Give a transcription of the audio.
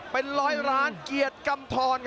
เป็นร้อยล้านเกียรติกำทร